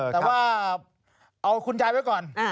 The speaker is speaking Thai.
แต่ว่าเอาคุณยายไว้ก่อน